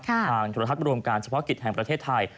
โทรทัศน์รวมการเฉพาะกิจแห่งประเทศไทย